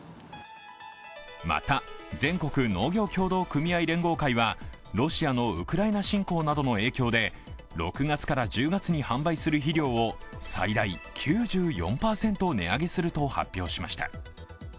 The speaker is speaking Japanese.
また、全国農業協同組合連合会はロシアのウクライナ侵攻などの影響で６月から１０月に販売する肥料を最大９４％値上げすると発表しました。